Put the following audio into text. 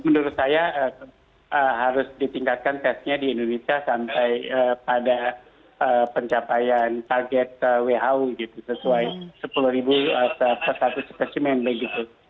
menurut saya harus ditingkatkan tesnya di indonesia sampai pada pencapaian target who gitu sesuai sepuluh per satu spesimen begitu